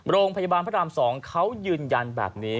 โรงพยาบาลพระราม๒เขายืนยันแบบนี้